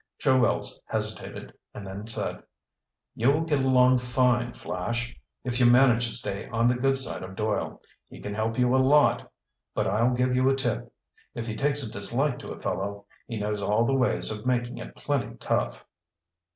Joe Wells hesitated, and then said: "You'll get along fine, Flash, if you manage to stay on the good side of Doyle. He can help you a lot. But I'll give you a tip. If he takes a dislike to a fellow, he knows all the ways of making it plenty tough."